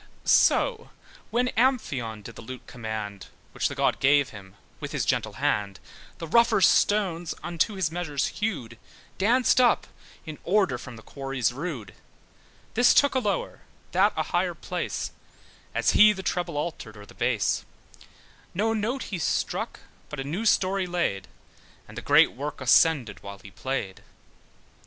So when Amphion did the lute command, Which the god gave him, with his gentle hand, The rougher stones, unto his measures hewed, Danced up in order from the quarries rude; This took a lower, that an higher place, As he the treble altered, or the bass: No note he struck, but a new stone was laid, And the great work ascended while he played.